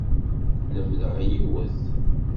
Lemdeɣ yiwet.